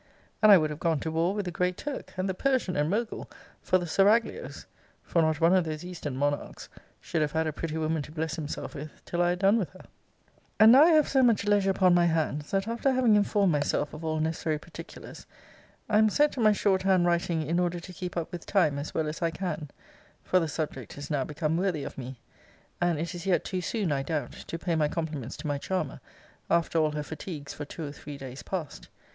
And I would have gone to war with the Great Turk, and the Persian, and Mogul, for the seraglios; for not one of those eastern monarchs should have had a pretty woman to bless himself with till I had done with her. And now I have so much leisure upon my hands, that, after having informed myself of all necessary particulars, I am set to my short hand writing in order to keep up with time as well as I can; for the subject is now become worthy of me; and it is yet too soon, I doubt, to pay my compliments to my charmer, after all her fatigues for two or three days past.